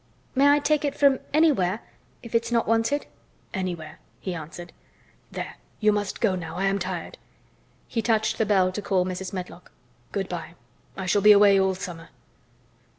"May I take it from anywhere—if it's not wanted?" "Anywhere," he answered. "There! You must go now, I am tired." He touched the bell to call Mrs. Medlock. "Good by. I shall be away all summer."